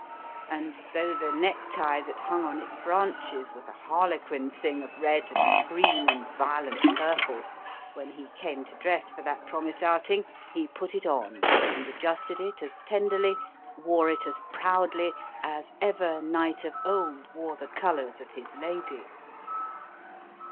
And though the necktie that hung on its branches was a harlequin thing of red and green and violent purple, when he came to dress for that promised outing he put it on and adjusted it as tenderly, wore it as proudly as ever knight of old wore the colours of his lady.